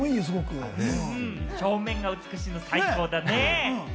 表面が美しいの最高だね！